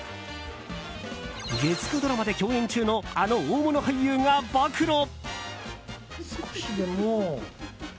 月９ドラマで共演中のあの大物俳優が暴露。